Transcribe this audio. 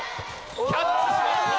キャッチしました。